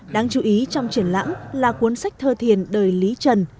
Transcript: đáng chú ý trong triển lãm là cuốn sách thơ thiền đời lý trần